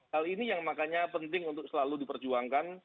hal ini yang makanya penting untuk selalu diperjuangkan